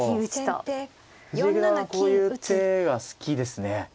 藤井九段はこういう手が好きですね。